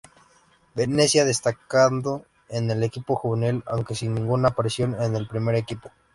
Venezia, destacando en el equipo juvenil, aunque sin ninguna aparición en el primer equipo.